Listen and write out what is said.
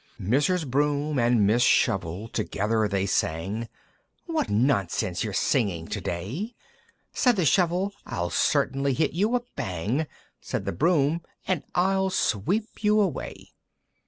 IV. Mrs. Broom and Miss Shovel together they sang, "What nonsense you're singing to day!" Said the Shovel, "I'll certainly hit you a bang!" Said the Broom, "And I'll sweep you away!"